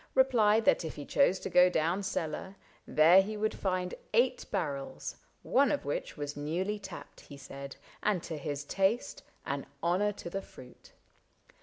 Replied that if he chose to go down cellar. There he would find eight barrels — one of which Was newly tapped, he said, and to his taste An honor to the fruit.